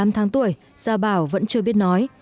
một mươi tám tháng tuổi gia bảo vẫn chưa biết nói